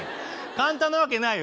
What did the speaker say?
簡単なわけないよ